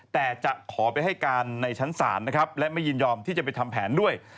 แต่จะขอไปให้การในชั้นศาลนะครับและไม่ยินยอมที่จะไปทำแผนด้วย